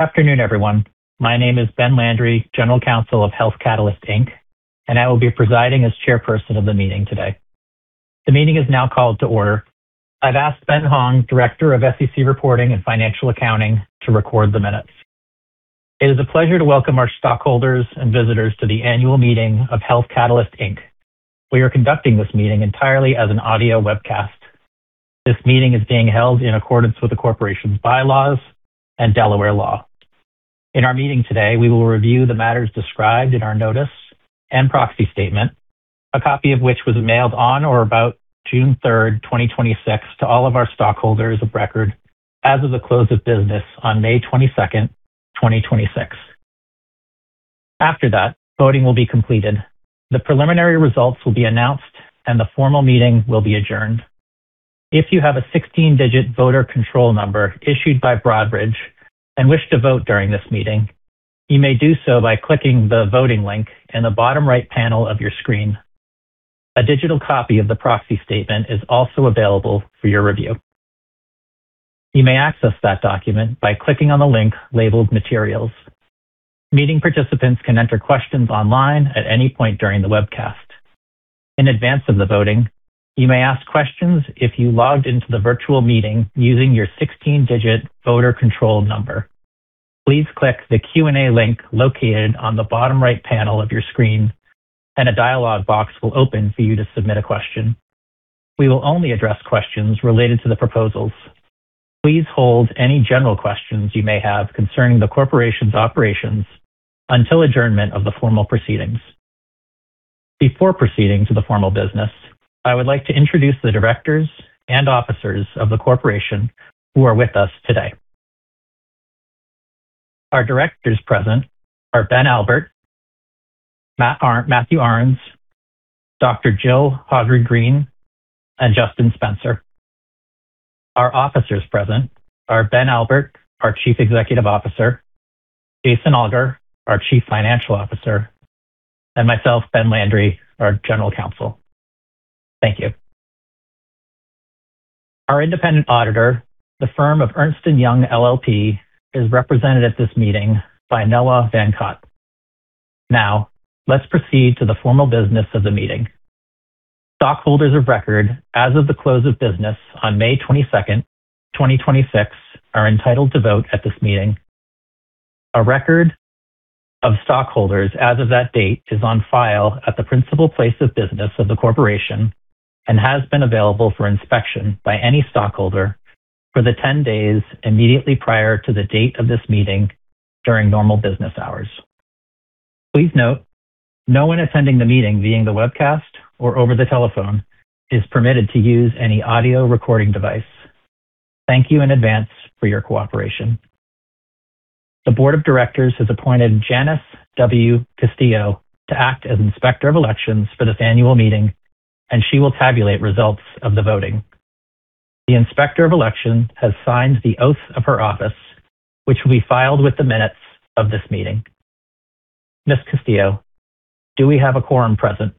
Afternoon, everyone. My name is Ben Landry, General Counsel of Health Catalyst Inc, and I will be presiding as chairperson of the meeting today. The meeting is now called to order. I've asked Ben Hong, Director of SEC Reporting and Financial Accounting, to record the minutes. It is a pleasure to welcome our stockholders and visitors to the annual meeting of Health Catalyst Inc. We are conducting this meeting entirely as an audio webcast. This meeting is being held in accordance with the corporation's bylaws and Delaware law. In our meeting today, we will review the matters described in our notice and proxy statement, a copy of which was mailed on or about June 3rd, 2026, to all of our stockholders of record as of the close of business on May 22nd, 2026. After that, voting will be completed, the preliminary results will be announced, and the formal meeting will be adjourned. If you have a 16-digit voter control number issued by Broadridge and wish to vote during this meeting, you may do so by clicking the voting link in the bottom right panel of your screen. A digital copy of the proxy statement is also available for your review. You may access that document by clicking on the link labeled Materials. Meeting participants can enter questions online at any point during the webcast. In advance of the voting, you may ask questions if you logged into the virtual meeting using your 16-digit voter control number. Please click the Q&A link located on the bottom right panel of your screen, and a dialog box will open for you to submit a question. We will only address questions related to the proposals. Please hold any general questions you may have concerning the corporation's operations until adjournment of the formal proceedings. Before proceeding to the formal business, I would like to introduce the directors and officers of the corporation who are with us today. Our directors present are Ben Albert, Matt Arens, Dr. Jill Hoggard Green, and Justin Spencer. Our officers present are Ben Albert, our Chief Executive Officer, Jason Alger, our Chief Financial Officer, and myself, Ben Landry, our General Counsel. Thank you. Our independent auditor, the firm of Ernst & Young LLP, is represented at this meeting by Noah Van Cott. Now, let's proceed to the formal business of the meeting. Stockholders of record as of the close of business on May 22nd, 2026, are entitled to vote at this meeting. A record of stockholders as of that date is on file at the principal place of business of the corporation and has been available for inspection by any stockholder for the 10 days immediately prior to the date of this meeting during normal business hours. Please note, no one attending the meeting via the webcast or over the telephone is permitted to use any audio recording device. Thank you in advance for your cooperation. The Board of Directors has appointed Janice W. Castillo to act as Inspector of Election for this annual meeting, and she will tabulate results of the voting. The Inspector of Election has signed the oath of her office, which will be filed with the minutes of this meeting. Ms. Castillo, do we have a quorum present?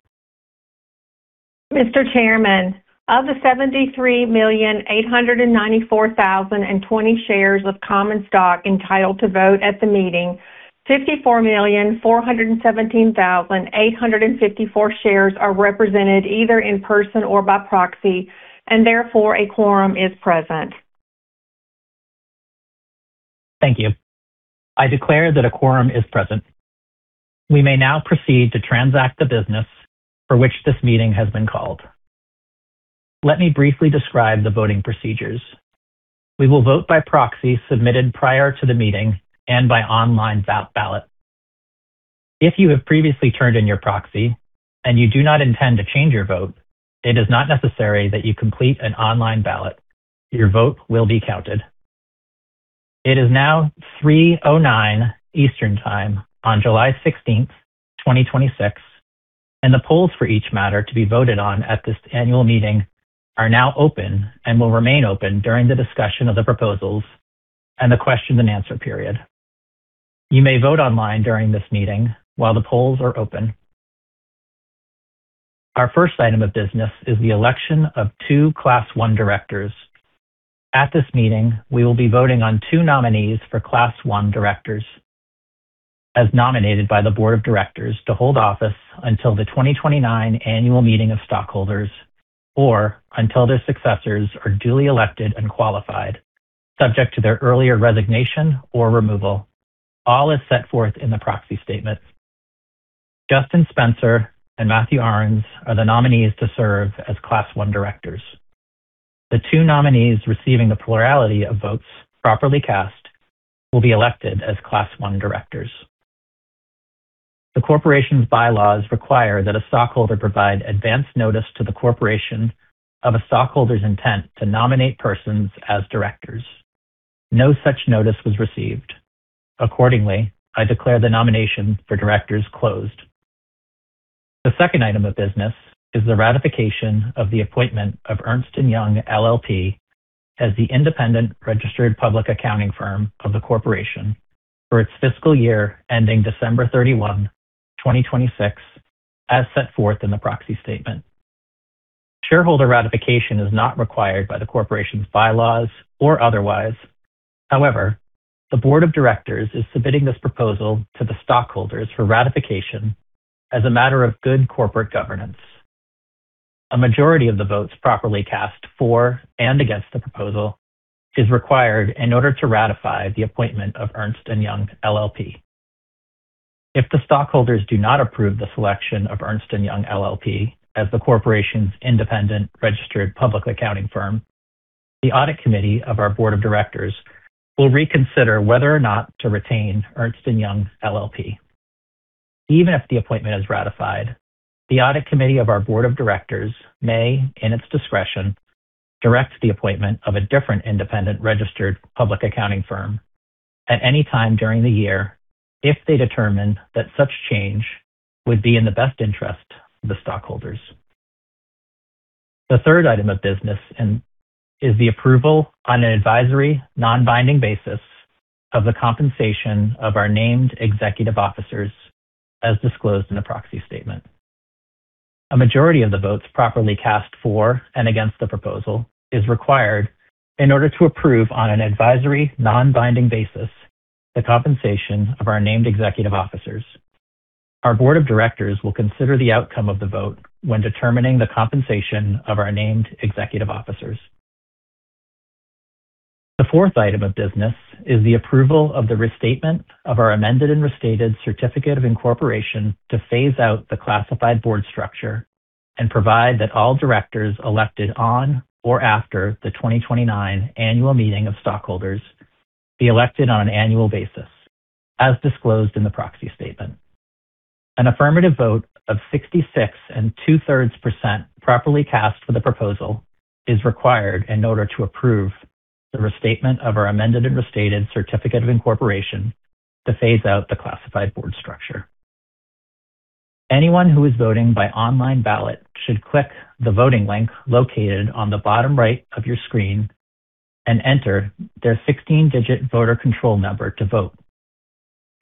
Mr. Chairman, of the 73,894,020 shares of common stock entitled to vote at the meeting, 54,417,854 shares are represented either in person or by proxy, and therefore, a quorum is present. Thank you. I declare that a quorum is present. We may now proceed to transact the business for which this meeting has been called. Let me briefly describe the voting procedures. We will vote by proxy submitted prior to the meeting and by online ballot. If you have previously turned in your proxy and you do not intend to change your vote, it is not necessary that you complete an online ballot. Your vote will be counted. It is now 3:09 P.M. Eastern Time on July 16th, 2026, and the polls for each matter to be voted on at this annual meeting are now open and will remain open during the discussion of the proposals and the question and answer period. You may vote online during this meeting while the polls are open. Our first item of business is the election of two Class I directors. At this meeting, we will be voting on two nominees for Class I directors, as nominated by the Board of Directors to hold office until the 2029 annual meeting of stockholders or until their successors are duly elected and qualified, subject to their earlier resignation or removal, all as set forth in the proxy statement. Justin Spencer and Matt Arens are the nominees to serve as Class I directors. The two nominees receiving the plurality of votes properly cast will be elected as Class I directors. The corporation's bylaws require that a stockholder provide advance notice to the corporation of a stockholder's intent to nominate persons as directors. No such notice was received. Accordingly, I declare the nomination for directors closed. The second item of business is the ratification of the appointment of Ernst & Young LLP as the independent registered public accounting firm of the corporation for its fiscal year ending December 31, 2026, as set forth in the proxy statement. Shareholder ratification is not required by the corporation's bylaws or otherwise. However, the Board of Directors is submitting this proposal to the stockholders for ratification as a matter of good corporate governance. A majority of the votes properly cast for and against the proposal is required in order to ratify the appointment of Ernst & Young LLP. If the stockholders do not approve the selection of Ernst & Young LLP as the corporation's independent registered public accounting firm, the audit committee of our Board of Directors will reconsider whether or not to retain Ernst & Young LLP. Even if the appointment is ratified, the audit committee of our Board of Directors may, in its discretion, direct the appointment of a different independent registered public accounting firm at any time during the year if they determine that such change would be in the best interest of the stockholders. The third item of business is the approval on an advisory, non-binding basis of the compensation of our named executive officers as disclosed in the proxy statement. A majority of the votes properly cast for and against the proposal is required in order to approve on an advisory, non-binding basis the compensation of our named executive officers. Our Board of Directors will consider the outcome of the vote when determining the compensation of our named executive officers. The fourth item of business is the approval of the restatement of our amended and restated certificate of incorporation to phase out the classified board structure and provide that all directors elected on or after the 2029 annual meeting of stockholders be elected on an annual basis as disclosed in the proxy statement. An affirmative vote of 66.67% properly cast for the proposal is required in order to approve the restatement of our amended and restated certificate of incorporation to phase out the classified board structure. Anyone who is voting by online ballot should click the voting link located on the bottom right of your screen and enter their 16-digit voter control number to vote.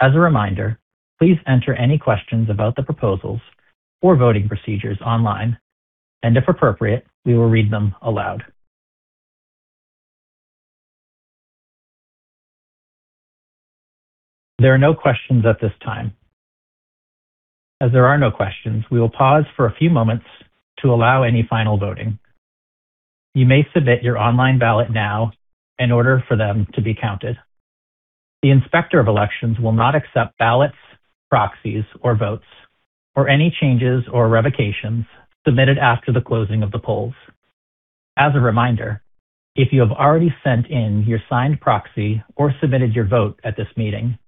A reminder, please enter any questions about the proposals or voting procedures online, and if appropriate, we will read them aloud. There are no questions at this time. There are no questions, we will pause for a few moments to allow any final voting. You may submit your online ballot now in order for them to be counted. The Inspector of Election will not accept ballots, proxies, or votes, or any changes or revocations submitted after the closing of the polls. A reminder, if you have already sent in your signed proxy or submitted your vote at this meeting,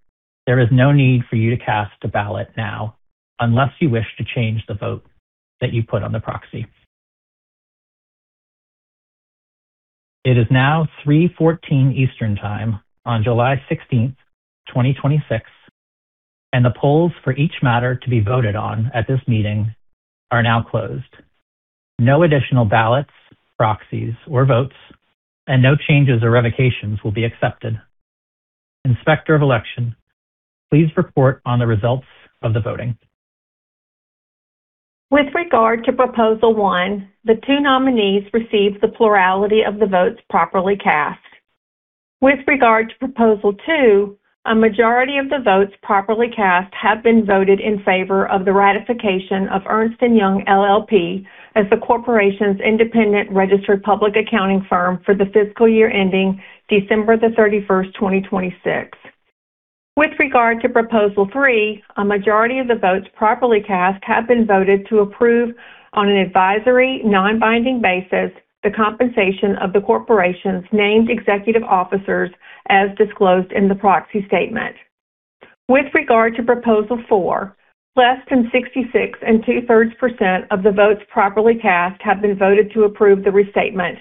there is no need for you to cast a ballot now unless you wish to change the vote that you put on the proxy. It is now 3:14 P.M. Eastern Time on July 16th, 2026, and the polls for each matter to be voted on at this meeting are now closed. No additional ballots, proxies, or votes, and no changes or revocations will be accepted. Inspector of Election, please report on the results of the voting. With regard to Proposal One, the two nominees received the plurality of the votes properly cast. With regard to Proposal Two, a majority of the votes properly cast have been voted in favor of the ratification of Ernst & Young LLP as the corporation's independent registered public accounting firm for the fiscal year ending December 31st, 2026. With regard to Proposal Three, a majority of the votes properly cast have been voted to approve on an advisory, non-binding basis the compensation of the corporation's named executive officers as disclosed in the proxy statement. With regard to Proposal Four, less than 66.67% of the votes properly cast have been voted to approve the restatement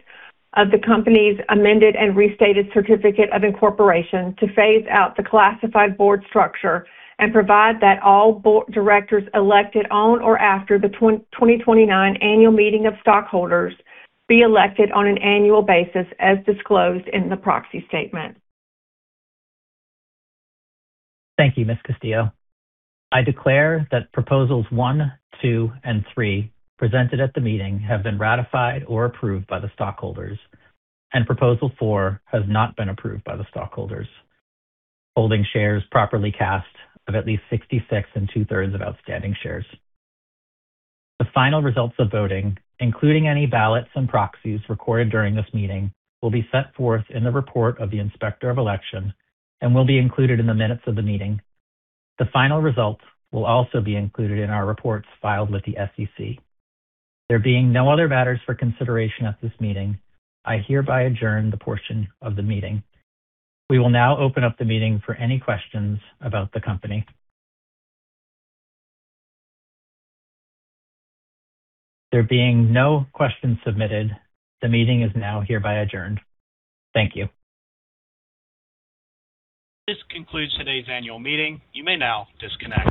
of the company's amended and restated certificate of incorporation to phase out the classified board structure and provide that all board directors elected on or after the 2029 annual meeting of stockholders be elected on an annual basis as disclosed in the proxy statement. Thank you, Ms. Castillo. I declare that Proposals One, Two, and Three presented at the meeting have been ratified or approved by the stockholders, and Proposal Four has not been approved by the stockholders. Holding shares properly cast of at least 66.67% of outstanding shares. The final results of voting, including any ballots and proxies recorded during this meeting, will be set forth in the report of the Inspector of Election and will be included in the minutes of the meeting. The final results will also be included in our reports filed with the SEC. There being no other matters for consideration at this meeting, I hereby adjourn the portion of the meeting. We will now open up the meeting for any questions about the company. There being no questions submitted, the meeting is now hereby adjourned. Thank you. This concludes today's annual meeting. You may now disconnect.